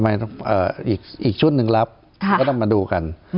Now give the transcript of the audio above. อีกชุดหนึ่งรับก็ต้องมาดูกัน